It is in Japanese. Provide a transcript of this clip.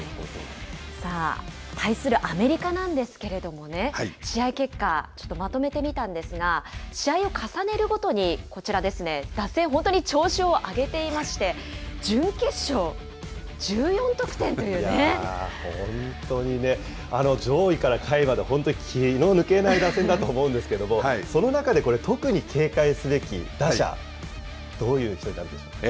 さあ、対するアメリカなんですけれどもね、試合結果、ちょっとまとめてみたんですが、試合を重ねるごとに、こちらですね、打線、本当に調子を上げていまして、本当にね、上位から下位まで本当に気の抜けない打線だと思うんですけれども、その中でこれ、特に警戒すべき打者、どういう人になるでしょうか。